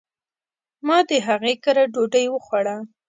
ما د هغي کره ډوډي وخوړه